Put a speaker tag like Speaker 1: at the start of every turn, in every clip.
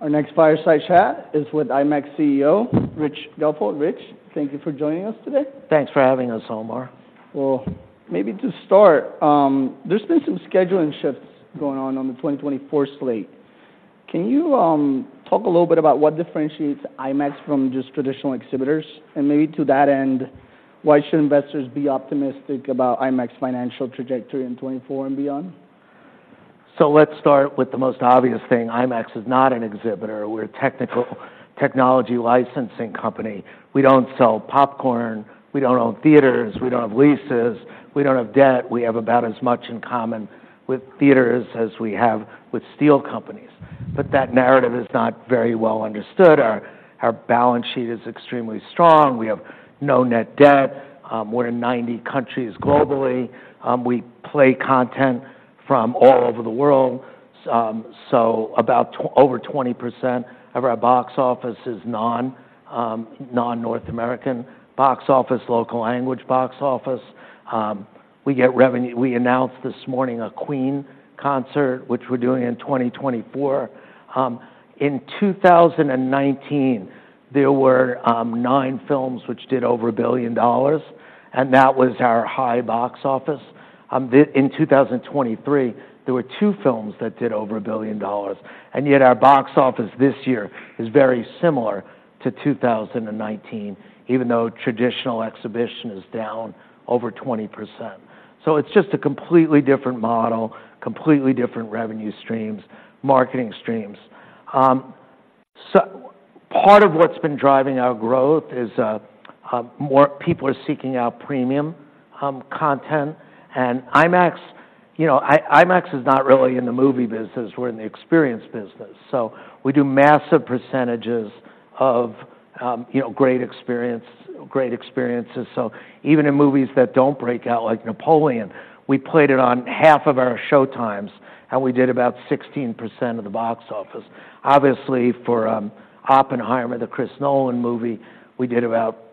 Speaker 1: Our next fireside chat is with IMAX CEO, Rich Gelfond. Rich, thank you for joining us today.
Speaker 2: Thanks for having us, Omar.
Speaker 1: Well, maybe to start, there's been some scheduling shifts going on on the 2024 slate. Can you talk a little bit about what differentiates IMAX from just traditional exhibitors? And maybe to that end, why should investors be optimistic about IMAX financial trajectory in 2024 and beyond?
Speaker 2: So let's start with the most obvious thing. IMAX is not an exhibitor. We're a technology licensing company. We don't sell popcorn, we don't own theaters, we don't have leases, we don't have debt. We have about as much in common with theaters as we have with steel companies. But that narrative is not very well understood. Our balance sheet is extremely strong. We have no net debt, more than 90 countries globally. We play content from all over the world. So over 20% of our box office is non-North American box office, local language box office. We get revenue. We announced this morning a Queen concert, which we're doing in 2024. In 2019, there were 9 films which did over $1 billion, and that was our high box office. In 2023, there were two films that did over $1 billion, and yet our box office this year is very similar to 2019, even though traditional exhibition is down over 20%. So it's just a completely different model, completely different revenue streams, marketing streams. So part of what's been driving our growth is more people are seeking out premium content. And IMAX, you know, IMAX is not really in the movie business, we're in the experience business. So we do massive percentages of, you know, great experience, great experiences. So even in movies that don't break out, like Napoleon, we played it on half of our showtimes, and we did about 16% of the box office. Obviously, for Oppenheimer, the Chris Nolan movie, we did about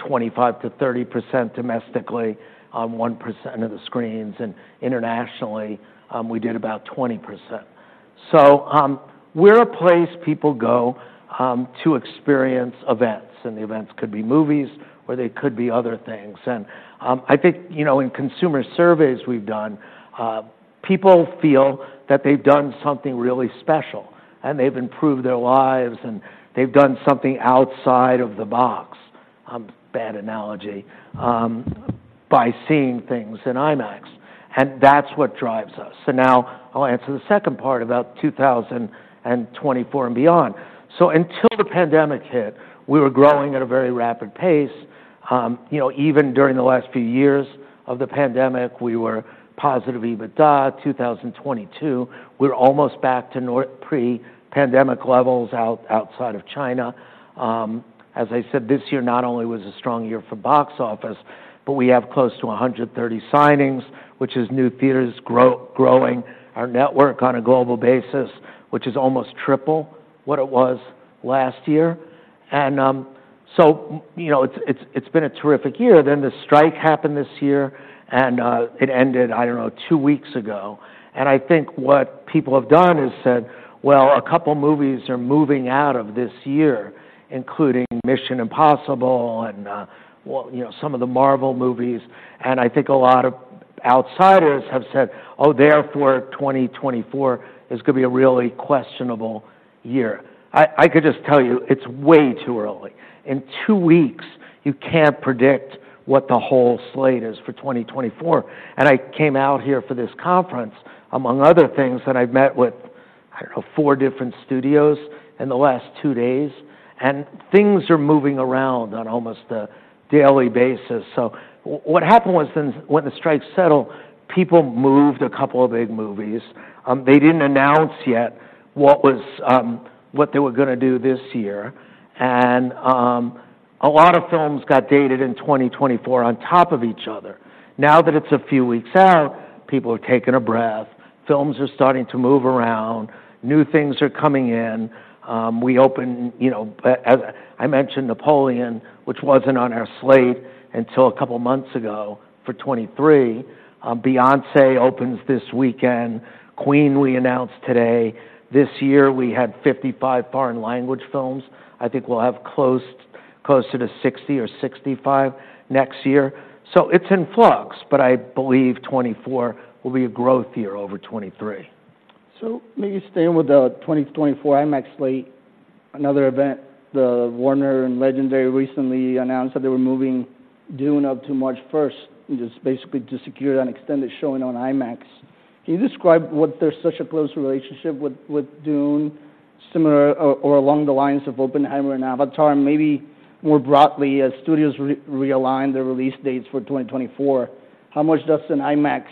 Speaker 2: 25%-30% domestically on 1% of the screens, and internationally, we did about 20%. So, we're a place people go to experience events, and the events could be movies, or they could be other things. And, I think, you know, in consumer surveys we've done, people feel that they've done something really special, and they've improved their lives, and they've done something outside of the box, bad analogy, by seeing things in IMAX, and that's what drives us. So now I'll answer the second part about 2024 and beyond. So until the pandemic hit, we were growing at a very rapid pace. You know, even during the last few years of the pandemic, we were positive EBITDA. 2022, we're almost back to pre-pandemic levels outside of China. As I said, this year not only was a strong year for box office, but we have close to 130 signings, which is new theaters growing our network on a global basis, which is almost triple what it was last year. So, you know, it's been a terrific year. Then the strike happened this year, and it ended, I don't know, two weeks ago. I think what people have done is said, "Well, a couple movies are moving out of this year, including Mission: Impossible and, well, you know, some of the Marvel movies." I think a lot of outsiders have said, "Oh, therefore, 2024 is gonna be a really questionable year." I could just tell you, it's way too early. In two weeks, you can't predict what the whole slate is for 2024. And I came out here for this conference, among other things, that I've met with, I don't know, four different studios in the last two days, and things are moving around on almost a daily basis. So what happened was then, when the strike settled, people moved a couple of big movies. They didn't announce yet what they were gonna do this year, and a lot of films got dated in 2024 on top of each other. Now that it's a few weeks out, people have taken a breath, films are starting to move around, new things are coming in. We opened, you know, as I mentioned, Napoleon, which wasn't on our slate until a couple of months ago, for 2023. Beyoncé opens this weekend. Queen, we announced today. This year, we had 55 foreign language films. I think we'll have close, closer to 60 or 65 next year. So it's in flux, but I believe 2024 will be a growth year over 2023.
Speaker 1: So maybe staying with the 2024 IMAX slate, another event, Warner Bros. and Legendary recently announced that they were moving Dune up to March first, just basically to secure an extended showing on IMAX. Can you describe why there's such a close relationship with Dune, similar or along the lines of Oppenheimer and Avatar? And maybe more broadly, as studios realign their release dates for 2024, how much does an IMAX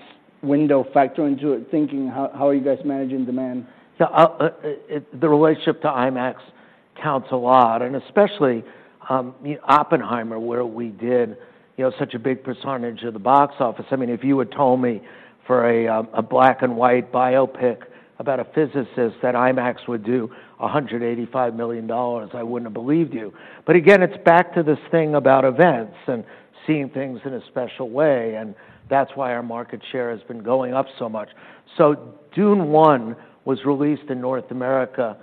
Speaker 1: window factor into it? Thinking, how are you guys managing demand?
Speaker 2: The relationship to IMAX counts a lot, and especially, you know, Oppenheimer, where we did, you know, such a big percentage of the box office. I mean, if you had told me for a, a black and white biopic about a physicist that IMAX would do $185 million, I wouldn't have believed you. But again, it's back to this thing about events and seeing things in a special way, and that's why our market share has been going up so much. So Dune One was released in North America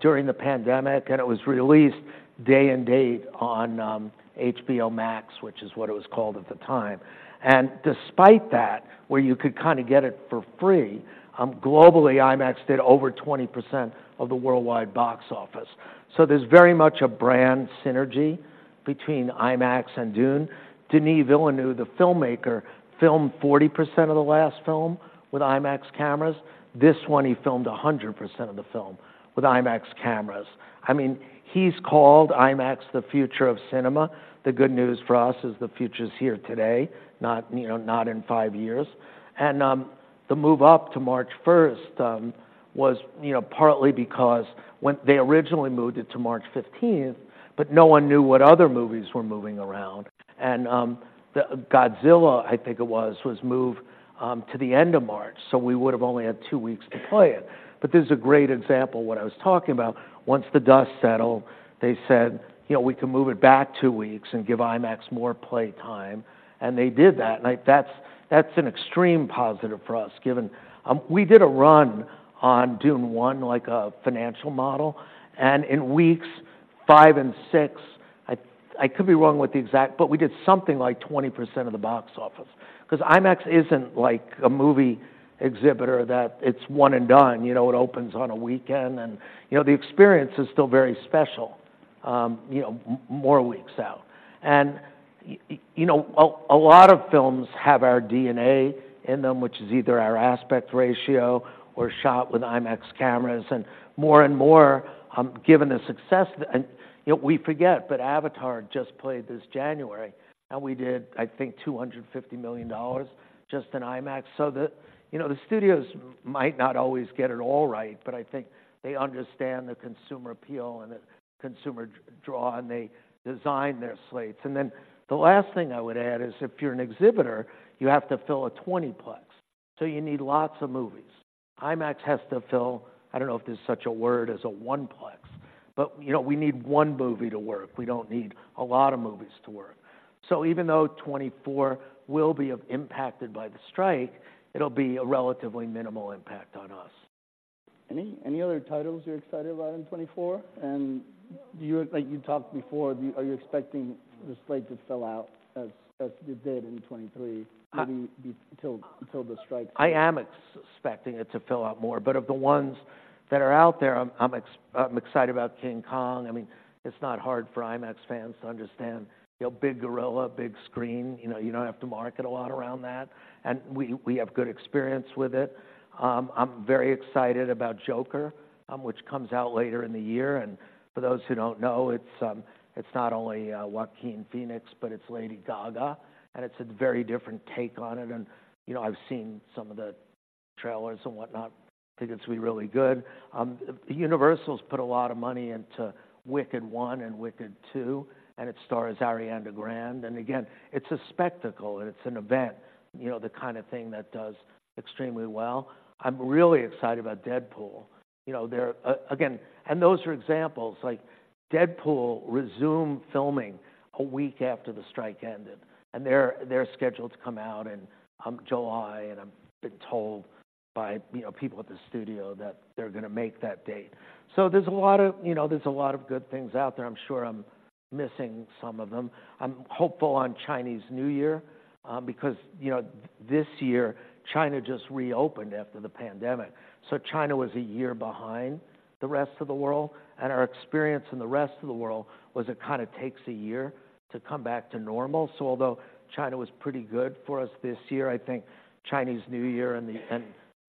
Speaker 2: during the pandemic, and it was released day and date on HBO Max, which is what it was called at the time. And despite that, where you could kinda get it for free, globally, IMAX did over 20% of the worldwide box office. So there's very much a brand synergy between IMAX and Dune. Denis Villeneuve, the filmmaker, filmed 40% of the last film with IMAX cameras. This one, he filmed 100% of the film with IMAX cameras. I mean, he's called IMAX the future of cinema. The good news for us is the future's here today, not, you know, not in five years. And the move up to March first was, you know, partly because when they originally moved it to March fifteenth, but no one knew what other movies were moving around. And the Godzilla, I think it was, was moved to the end of March, so we would've only had 2 weeks to play it. But this is a great example of what I was talking about. Once the dust settled, they said, "You know, we can move it back two weeks and give IMAX more play time." And they did that, and that's an extreme positive for us, given we did a run on Dune One, like a financial model, and in weeks five and six, I could be wrong with the exact, but we did something like 20% of the box office. 'Cause IMAX isn't like a movie exhibitor, that it's one and done, you know, it opens on a weekend and you know, the experience is still very special, you know, more weeks out. And you know, a lot of films have our DNA in them, which is either our aspect ratio or shot with IMAX cameras. And more and more, given the success. And, you know, we forget, but Avatar just played this January, and we did, I think, $250 million just in IMAX. So the, you know, the studios might not always get it all right, but I think they understand the consumer appeal and the consumer draw, and they design their slates. And then, the last thing I would add is, if you're an exhibitor, you have to fill a 20-plex, so you need lots of movies. IMAX has to fill... I don't know if there's such a word as a one-plex, but, you know, we need one movie to work. We don't need a lot of movies to work. So even though 2024 will be impacted by the strike, it'll be a relatively minimal impact on us.
Speaker 1: Any other titles you're excited about in 2024? And you, like you talked before, are you expecting the slate to fill out as it did in 2023, maybe until the strike?
Speaker 2: I am expecting it to fill out more, but of the ones that are out there, I'm excited about King Kong. I mean, it's not hard for IMAX fans to understand. You know, big gorilla, big screen. You know, you don't have to market a lot around that, and we have good experience with it. I'm very excited about Joker, which comes out later in the year. And for those who don't know, it's not only Joaquin Phoenix, but it's Lady Gaga, and it's a very different take on it. And, you know, I've seen some of the trailers and whatnot. I think it's going to be really good. Universal's put a lot of money into Wicked One and Wicked Two, and it stars Ariana Grande. And again, it's a spectacle, and it's an event. You know, the kind of thing that does extremely well. I'm really excited about Deadpool. You know, there are again, and those are examples. Like, Deadpool resumed filming a week after the strike ended, and they're scheduled to come out in July, and I've been told by, you know, people at the studio that they're gonna make that date. So there's a lot of, you know, there's a lot of good things out there. I'm sure I'm missing some of them. I'm hopeful on Chinese New Year, because, you know, this year, China just reopened after the pandemic. So China was a year behind the rest of the world, and our experience in the rest of the world was it kinda takes a year to come back to normal. Although China was pretty good for us this year, I think Chinese New Year and the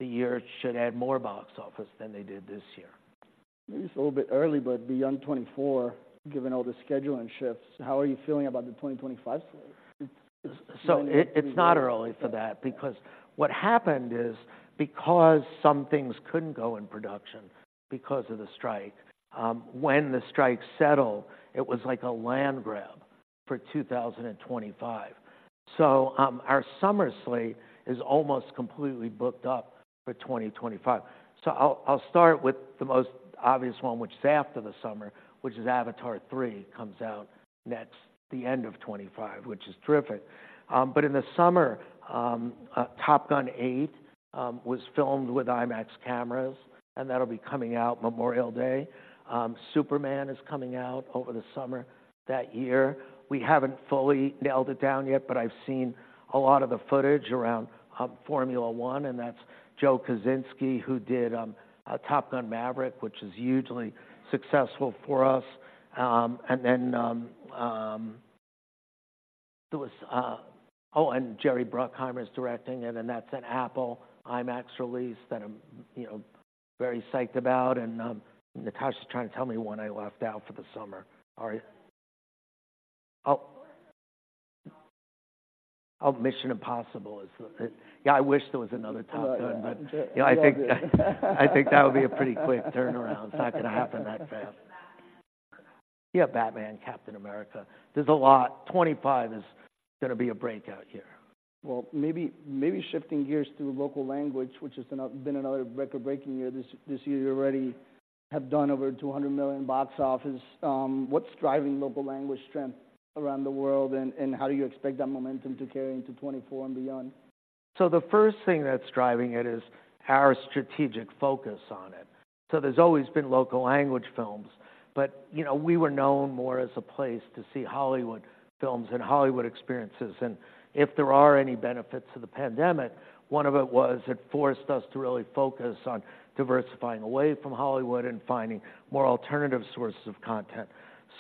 Speaker 2: year should add more box office than they did this year.
Speaker 1: Maybe it's a little bit early, but beyond 2024, given all the scheduling shifts, how are you feeling about the 2025 slate?
Speaker 2: It's not early for that, because what happened is, because some things couldn't go in production because of the strike, when the strike settled, it was like a land grab for 2025. So, our summer slate is almost completely booked up for 2025. So I'll, I'll start with the most obvious one, which is after the summer, which is Avatar 3, comes out, and that's the end of 2025, which is terrific. But in the summer, Top Gun 3 was filmed with IMAX cameras, and that'll be coming out Memorial Day. Superman is coming out over the summer that year. We haven't fully nailed it down yet, but I've seen a lot of the footage around, Formula One, and that's Joe Kosinski, who did, Top Gun: Maverick, which is hugely successful for us. Oh, and Jerry Bruckheimer is directing it, and that's an Apple IMAX release that I'm, you know, very psyched about. And, Natasha's trying to tell me what I left out for the summer. All right. Oh, Mission: Impossible is, yeah, I wish there was another Top Gun, but, you know, I think, I think that would be a pretty quick turnaround. It's not going to happen that fast. Yeah, Batman, Captain America, there's a lot. 2025 is going to be a breakout year.
Speaker 1: Well, maybe, maybe shifting gears to local language, which has been another record-breaking year. This year already have done over $200 million box office. What's driving local language strength around the world, and how do you expect that momentum to carry into 2024 and beyond?
Speaker 2: So the first thing that's driving it is our strategic focus on it. So there's always been local language films, but, you know, we were known more as a place to see Hollywood films and Hollywood experiences. If there are any benefits to the pandemic, one of it was it forced us to really focus on diversifying away from Hollywood and finding more alternative sources of content.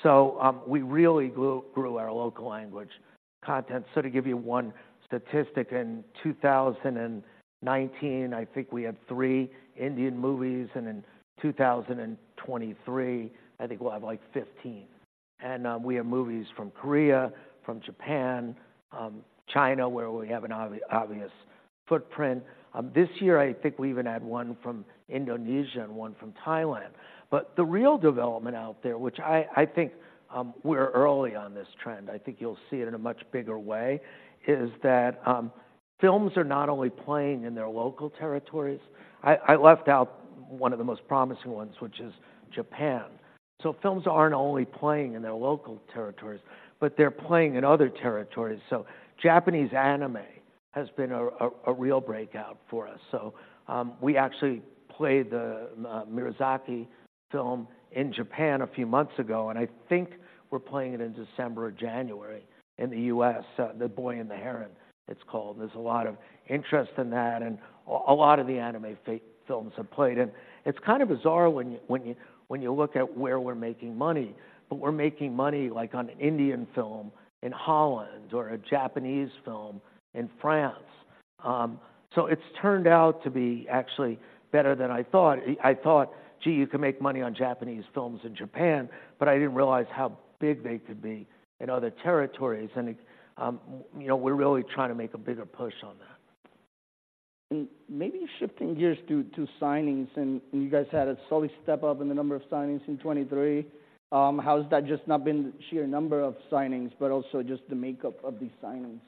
Speaker 2: So we really grew our local language content. So to give you one statistic, in 2019, I think we had three Indian movies, and in 2023, I think we'll have, like, 15. And we have movies from Korea, from Japan, China, where we have an obvious footprint. This year, I think we even had one from Indonesia and one from Thailand. But the real development out there, which I think we're early on this trend, I think you'll see it in a much bigger way, is that films are not only playing in their local territories. I left out one of the most promising ones, which is Japan. So films aren't only playing in their local territories, but they're playing in other territories. So Japanese anime has been a real breakout for us. So we actually played the Miyazaki film in Japan a few months ago, and I think we're playing it in December or January in the U.S. The Boy and the Heron, it's called. There's a lot of interest in that, and a lot of the anime films have played. And it's kind of bizarre when you look at where we're making money, but we're making money, like, on an Indian film in Holland or a Japanese film in France. So it's turned out to be actually better than I thought. I thought, Gee, you can make money on Japanese films in Japan, but I didn't realize how big they could be in other territories. And, you know, we're really trying to make a bigger push on that.
Speaker 1: Maybe shifting gears to signings, and you guys had a solid step up in the number of signings in 2023. How has that just not been the sheer number of signings, but also just the makeup of these signings?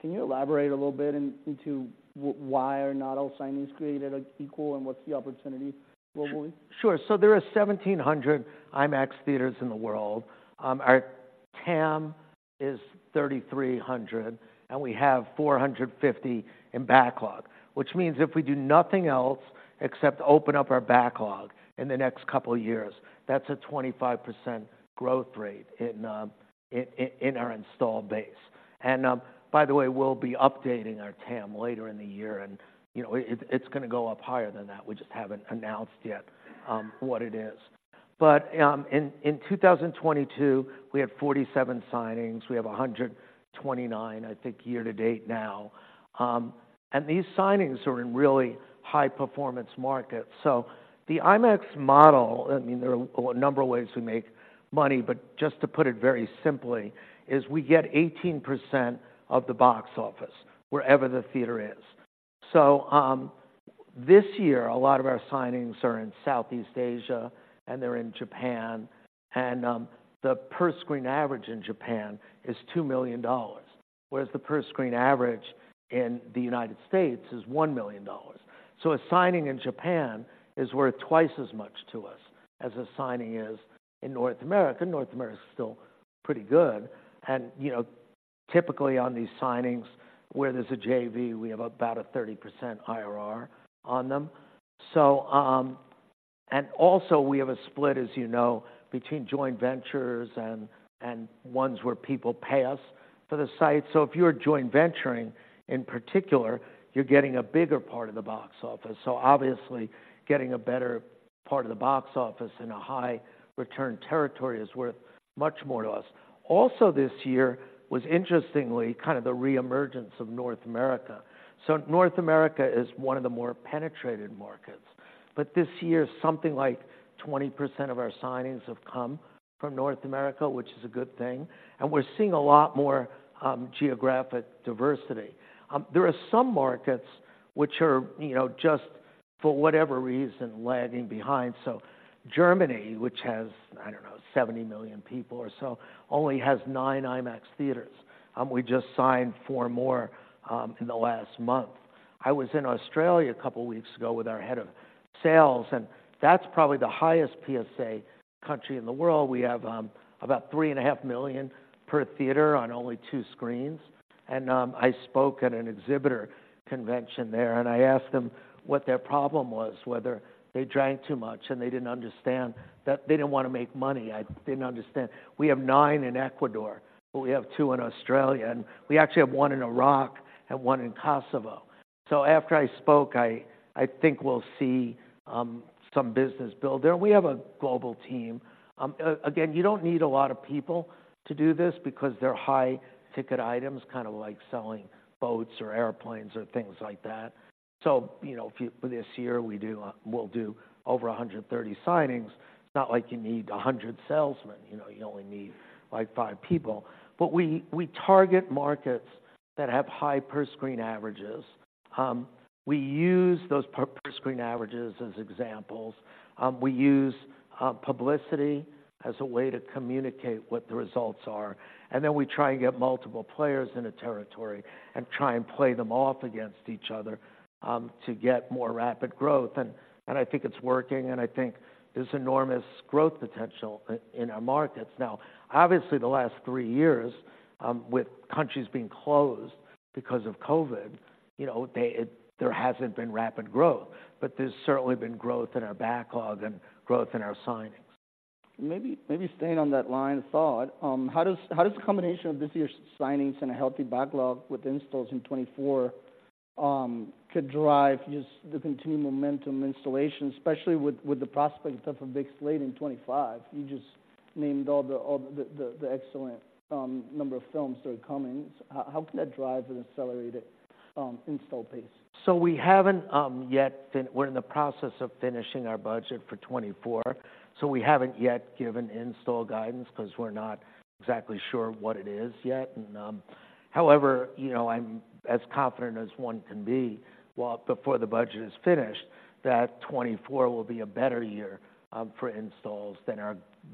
Speaker 1: Can you elaborate a little bit into why are not all signings created equal, and what's the opportunity globally?
Speaker 2: Sure. So there are 1,700 IMAX theaters in the world. Our TAM is 3,300, and we have 450 in backlog, which means if we do nothing else except open up our backlog in the next couple of years, that's a 25% growth rate in our installed base. And, by the way, we'll be updating our TAM later in the year, and, you know, it, it's gonna go up higher than that. We just haven't announced yet what it is. But, in 2022, we had 47 signings. We have 129, I think, year to date now. And these signings are in really high-performance markets. So the IMAX model, I mean, there are a number of ways we make money, but just to put it very simply, is we get 18% of the box office wherever the theater is. So, this year, a lot of our signings are in Southeast Asia, and they're in Japan, and, the per-screen average in Japan is $2 million, whereas the per-screen average in the United States is $1 million. So a signing in Japan is worth twice as much to us as a signing is in North America. North America is still pretty good. And, you know, typically on these signings where there's a JV, we have about a 30% IRR on them. So, and also we have a split, as you know, between joint ventures and, and ones where people pay us for the site. So if you're joint venturing, in particular, you're getting a bigger part of the box office. So obviously, getting a better part of the box office in a high-return territory is worth much more to us. Also, this year was interestingly kind of the reemergence of North America. So North America is one of the more penetrated markets, but this year, something like 20% of our signings have come from North America, which is a good thing. And we're seeing a lot more geographic diversity. There are some markets which are, you know, just for whatever reason, lagging behind. So Germany, which has, I don't know, 70 million people or so, only has nine IMAX theaters. We just signed four more in the last month. I was in Australia a couple of weeks ago with our head of sales, and that's probably the highest PSA country in the world. We have about $3.5 million per theater on only two screens, and I spoke at an exhibitor convention there, and I asked them what their problem was, whether they drank too much, and they didn't understand that they didn't want to make money. I didn't understand. We have 9 in Ecuador, but we have two in Australia, and we actually have one in Iraq and one in Kosovo. So after I spoke, I think we'll see some business build there. We have a global team. Again, you don't need a lot of people to do this because they're high-ticket items, kind of like selling boats or airplanes or things like that. So, you know, this year, we do, we'll do over 130 signings. It's not like you need 100 salesmen. You know, you only need, like, five people. But we target markets that have high per-screen averages. We use those per-screen averages as examples. We use publicity as a way to communicate what the results are, and then we try and get multiple players in a territory and try and play them off against each other to get more rapid growth. I think it's working, and I think there's enormous growth potential in our markets. Now, obviously, the last three years, with countries being closed because of COVID, you know, there hasn't been rapid growth. But there's certainly been growth in our backlog and growth in our signings.
Speaker 1: Maybe, maybe staying on that line of thought, how does, how does the combination of this year's signings and a healthy backlog with installs in 2024, could drive just the continued momentum installation, especially with, with the prospect of a big slate in 2025? You just named all the excellent number of films that are coming. How can that drive an accelerated install pace?
Speaker 2: So we haven't yet we're in the process of finishing our budget for 2024, so we haven't yet given install guidance 'cause we're not exactly sure what it is yet. And however, you know, I'm as confident as one can be, well, before the budget is finished, that 2024 will be a better year for installs than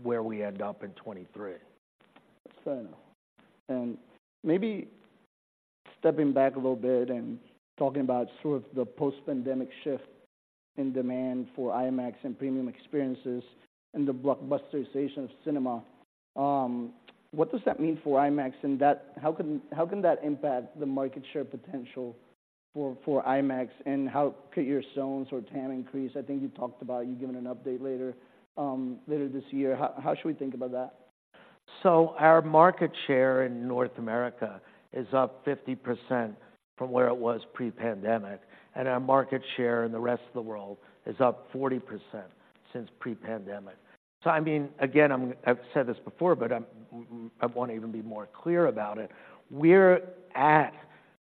Speaker 2: where we end up in 2023.
Speaker 1: Fair enough. Maybe stepping back a little bit and talking about sort of the post-pandemic shift in demand for IMAX and premium experiences and the blockbusterization of cinema, what does that mean for IMAX, and how can, how can that impact the market share potential for IMAX? How could your installs or TAM increase? I think you talked about giving an update later this year. How should we think about that?
Speaker 2: So our market share in North America is up 50% from where it was pre-pandemic, and our market share in the rest of the world is up 40% since pre-pandemic. So I mean, again, I've said this before, but I wanna even be more clear about it. We're at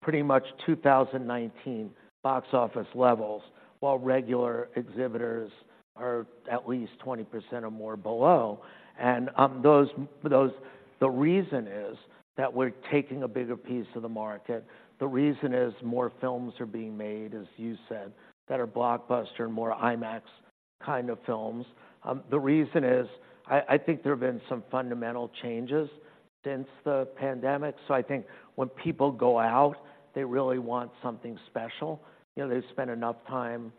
Speaker 2: pretty much 2019 box office levels, while regular exhibitors are at least 20% or more below. And the reason is that we're taking a bigger piece of the market. The reason is more films are being made, as you said, that are blockbuster and more IMAX kind of films. The reason is, I think there have been some fundamental changes since the pandemic, so I think when people go out, they really want something special. You know, they've spent enough time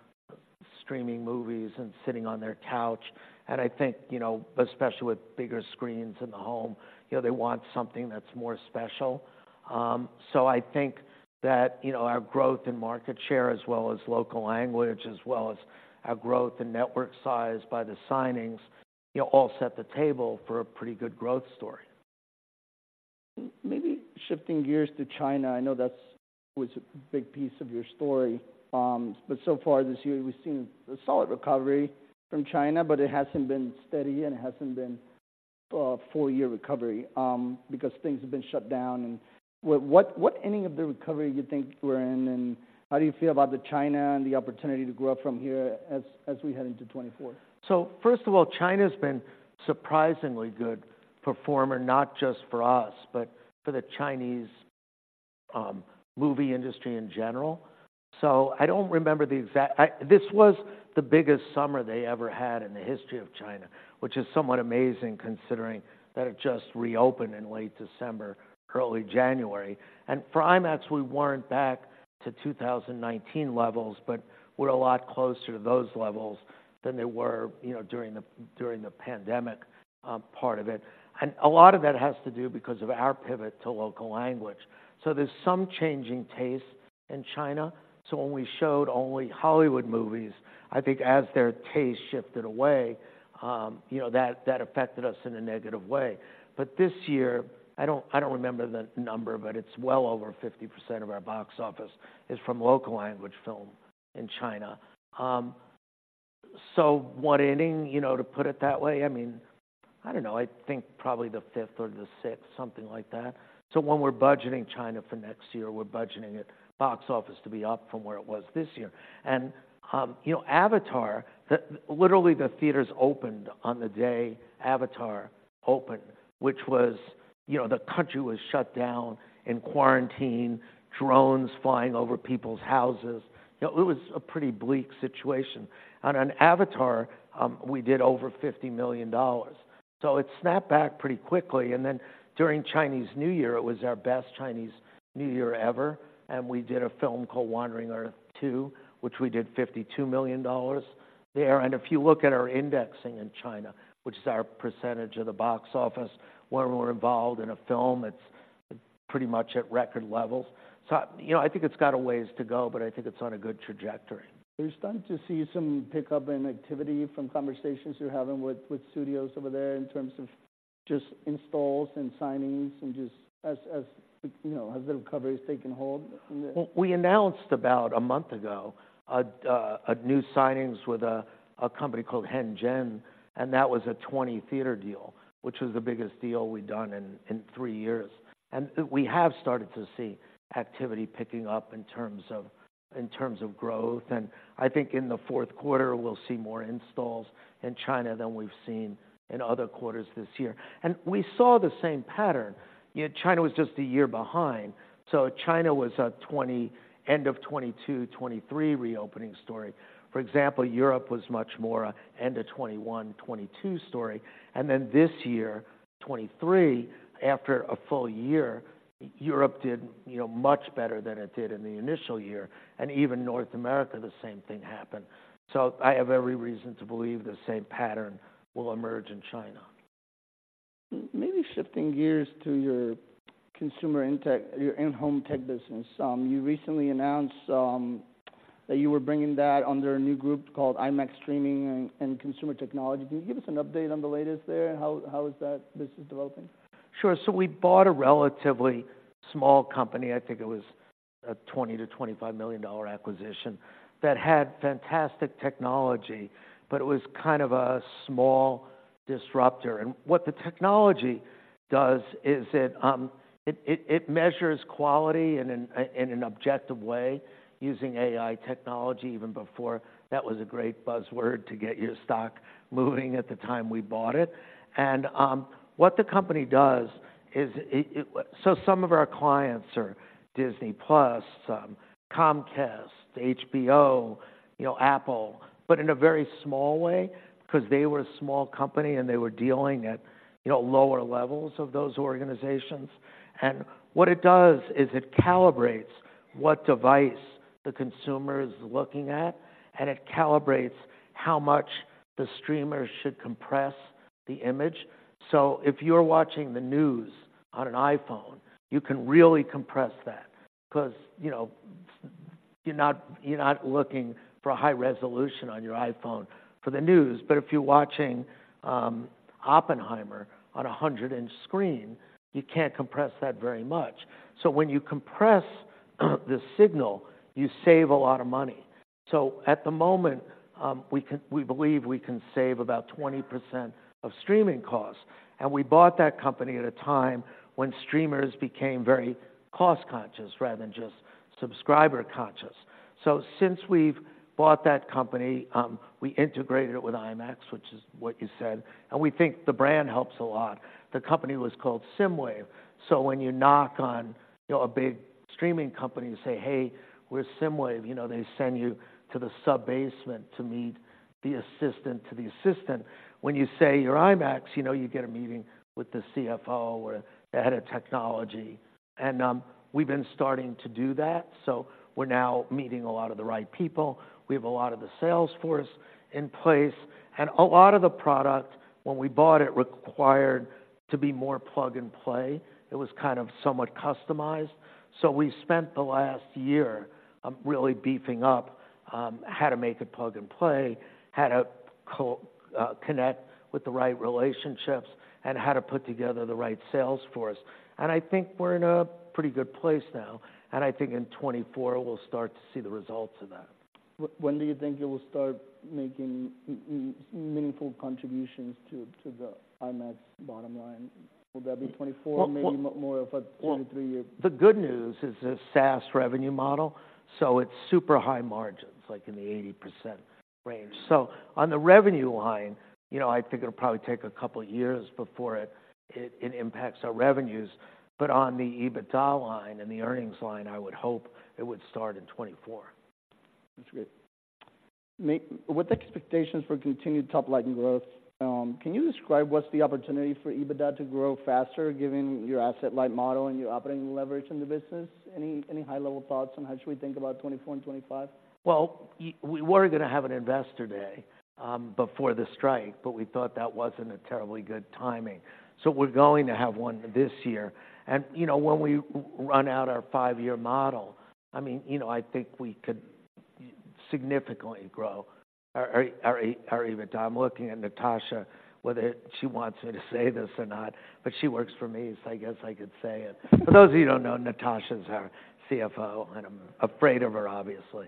Speaker 2: streaming movies and sitting on their couch, and I think, you know, especially with bigger screens in the home, you know, they want something that's more special. So I think that, you know, our growth in market share, as well as local language, as well as our growth in network size by the signings, you know, all set the table for a pretty good growth story.
Speaker 1: Maybe shifting gears to China, I know that's was a big piece of your story. But so far this year, we've seen a solid recovery from China, but it hasn't been steady, and it hasn't been a full year recovery, because things have been shut down. What inning of the recovery you think we're in, and how do you feel about the China and the opportunity to grow up from here as we head into 2024?
Speaker 2: So first of all, China's been surprisingly good performer, not just for us, but for the Chinese movie industry in general. So I don't remember the exact- This was the biggest summer they ever had in the history of China, which is somewhat amazing, considering that it just reopened in late December, early January. And for IMAX, we weren't back to 2019 levels, but we're a lot closer to those levels than they were, you know, during the pandemic part of it. And a lot of that has to do because of our pivot to local language. So there's some changing tastes in China. So when we showed only Hollywood movies, I think as their taste shifted away, you know, that affected us in a negative way. But this year, I don't remember the number, but it's well over 50% of our box office is from local language film in China. So what inning? You know, to put it that way, I mean, I don't know. I think probably the fifth or the sixth, something like that. So when we're budgeting China for next year, we're budgeting it, box office to be up from where it was this year. And, you know, Avatar, the, literally, the theaters opened on the day Avatar opened, which was, you know, the country was shut down in quarantine, drones flying over people's houses. You know, it was a pretty bleak situation. And on Avatar, we did over $50 million, so it snapped back pretty quickly. Then, during Chinese New Year, it was our best Chinese New Year ever, and we did a film called Wandering Earth II, which we did $52 million there. And if you look at our indexing in China, which is our percentage of the box office, when we're involved in a film, it's pretty much at record levels. So, you know, I think it's got a ways to go, but I think it's on a good trajectory.
Speaker 1: Are you starting to see some pickup in activity from conversations you're having with studios over there in terms of just installs and signings and just as you know, as the recovery is taking hold?
Speaker 2: We announced about a month ago a new signing with a company called Hengdian. That was a 20-theater deal, which was the biggest deal we've done in three years. We have started to see activity picking up in terms of growth, and I think in the fourth quarter, we'll see more installs in China than we've seen in other quarters this year. We saw the same pattern. You know, China was just a year behind, so China was a 2022-end of 2022, 2023 reopening story. For example, Europe was much more a end of 2021, 2022 story, and then this year, 2023, after a full year, Europe did, you know, much better than it did in the initial year, and even North America, the same thing happened. I have every reason to believe the same pattern will emerge in China.
Speaker 1: Maybe shifting gears to your consumer in tech-your in-home tech business. You recently announced that you were bringing that under a new group called IMAX Streaming and Consumer Technology. Can you give us an update on the latest there? How is that business developing?
Speaker 2: Sure. So we bought a relatively small company, I think it was a $20-$25 million acquisition, that had fantastic technology, but it was kind of a small disruptor. And what the technology does is it measures quality in an objective way, using AI technology, even before that was a great buzzword to get your stock moving at the time we bought it. And what the company does is it so some of our clients are Disney+, Comcast, HBO, you know, Apple, but in a very small way, 'cause they were a small company, and they were dealing at, you know, lower levels of those organizations. And what it does is it calibrates what device the consumer is looking at, and it calibrates how much the streamer should compress the image. So if you're watching the news on an iPhone, you can really compress that because, you know, you're not, you're not looking for high resolution on your iPhone for the news. But if you're watching, Oppenheimer on a 100-inch screen, you can't compress that very much. So when you compress, the signal, you save a lot of money. So at the moment, we believe we can save about 20% of streaming costs, and we bought that company at a time when streamers became very cost-conscious, rather than just subscriber-conscious. So since we've bought that company, we integrated it with IMAX, which is what you said, and we think the brand helps a lot. The company was called SSIMWAVE. So when you knock on, you know, a big streaming company and say, "Hey, we're SSIMWAVE," you know, they send you to the sub-basement to meet the assistant to the assistant. When you say you're IMAX, you know, you get a meeting with the CFO or the head of technology, and we've been starting to do that. So we're now meeting a lot of the right people. We have a lot of the sales force in place, and a lot of the product, when we bought it, required to be more plug-and-play. It was kind of somewhat customized. So we spent the last year really beefing up how to make it plug-and-play, how to connect with the right relationships, and how to put together the right sales force. I think we're in a pretty good place now, and I think in 2024, we'll start to see the results of that.
Speaker 1: When do you think you will start making meaningful contributions to the IMAX bottom line? Will that be 2024
Speaker 2: Well, well
Speaker 1: Maybe more of a two to three years?
Speaker 2: The good news is a SaaS revenue model, so it's super high margins, like in the 80% range. So on the revenue line, you know, I think it'll probably take a couple of years before it impacts our revenues. But on the EBITDA line and the earnings line, I would hope it would start in 2024.
Speaker 1: That's great. With expectations for continued top-line growth, can you describe what's the opportunity for EBITDA to grow faster, given your asset light model and your operating leverage in the business? Any, any high-level thoughts on how should we think about 2024 and 2025?
Speaker 2: Well, we were gonna have an investor day before the strike, but we thought that wasn't a terribly good timing. So we're going to have one this year. And, you know, when we run out our 5-year model, I mean, you know, I think we could significantly grow our EBITDA. I'm looking at Natasha, whether she wants me to say this or not, but she works for me, so I guess I could say it. For those of you who don't know, Natasha is our CFO, and I'm afraid of her, obviously.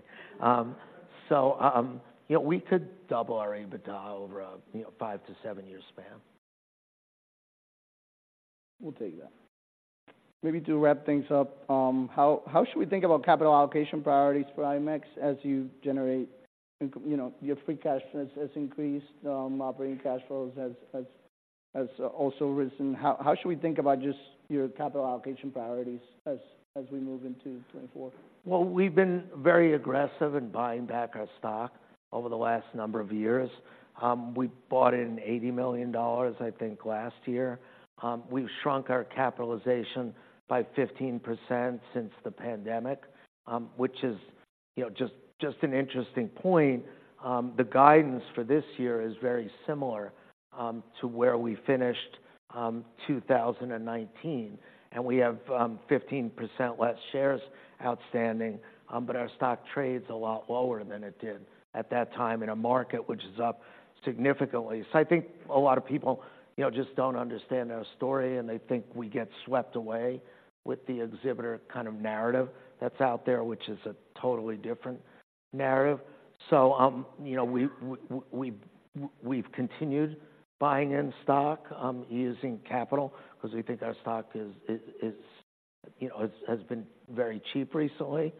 Speaker 2: So, you know, we could double our EBITDA over a five to seven year span.
Speaker 1: We'll take that. Maybe to wrap things up, how should we think about capital allocation priorities for IMAX as you generate inc- you know, your free cash has increased, operating cash flows has also risen. How should we think about just your capital allocation priorities as we move into 2024?
Speaker 2: Well, we've been very aggressive in buying back our stock over the last number of years. We bought in $80 million, I think, last year. We've shrunk our capitalization by 15% since the pandemic, which is, you know, just an interesting point. The guidance for this year is very similar to where we finished 2019, and we have 15% less shares outstanding, but our stock trades a lot lower than it did at that time in a market, which is up significantly. So I think a lot of people, you know, just don't understand our story, and they think we get swept away with the exhibitor kind of narrative that's out there, which is a totally different narrative. So, you know, we've continued buying in stock, using capital, because we think our stock is, you know, has been very cheap recently.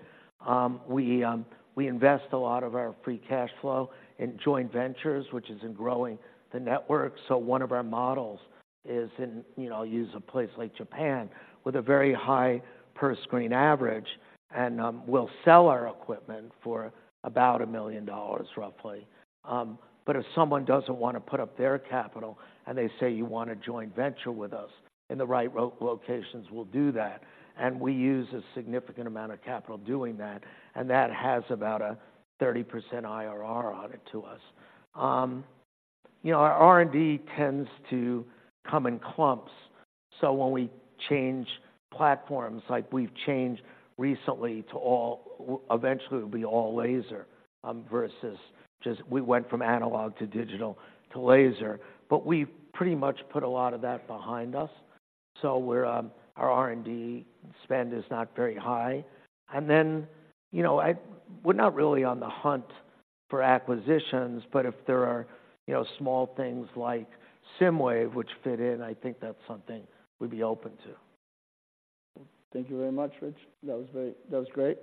Speaker 2: We invest a lot of our free cash flow in joint ventures, which is in growing the network. So one of our models is in, you know, use a place like Japan with a very high per-screen average, and we'll sell our equipment for about $1 million, roughly. But if someone doesn't want to put up their capital and they say: You want to joint venture with us in the right locations, we'll do that. And we use a significant amount of capital doing that, and that has about a 30% IRR on it to us. You know, our R&D tends to come in clumps, so when we change platforms, like we've changed recently to all. Eventually, it'll be all laser, versus just- we went from analog to digital to laser. But we've pretty much put a lot of that behind us. So we're, our R&D spend is not very high. And then, you know, we're not really on the hunt for acquisitions, but if there are, you know, small things like SSIMWAVE, which fit in, I think that's something we'd be open to.
Speaker 1: Thank you very much, Rich. That was great.